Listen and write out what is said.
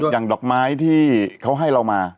อย่างดอกไม้ที่เขาให้เรามา